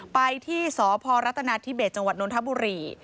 ไปที่สพรัฐนาธิเบสจังหวัดนทบุรี